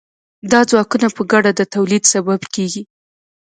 دا ځواکونه په ګډه د تولید سبب کیږي.